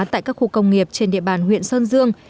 tại các khu công nghiệp trên địa bàn huyện sơn dương